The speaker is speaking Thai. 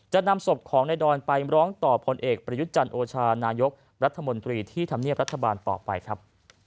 จะนำศพของนายดอนไปร้องต่อพลเอกประยุทธ์จันทร์โอชานายกรัฐมนตรีที่ธรรมเนียบรัฐบาลต่อไปครับ